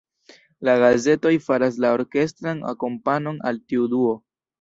La gazetoj faras la orkestran akompanon al tiu duo.